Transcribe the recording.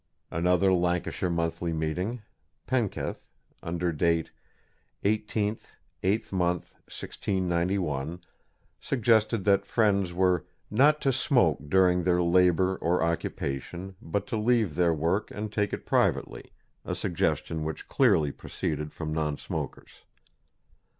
Another Lancashire Monthly Meeting, Penketh, under date "18th 8th mo. 1691" suggested that Friends were "not to smoke during their labour or occupation, but to leave their work and take it privately" a suggestion which clearly proceeded from non smokers.